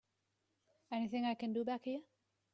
Anything I can do back here?